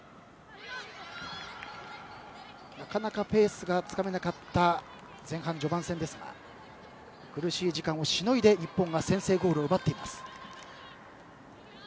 なかなかペースがつかめなかった前半序盤戦ですが苦しい時間をしのいで日本、先制ゴールを奪いました。